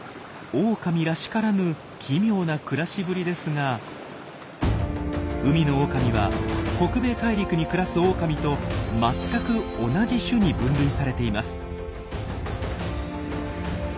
オオカミらしからぬ奇妙な暮らしぶりですが海のオオカミは北米大陸に暮らすオオカミと全く同じ種に分類されています。